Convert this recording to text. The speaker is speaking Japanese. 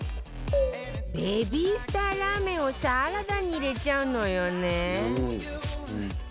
ベビースターラーメンをサラダに入れちゃうのよね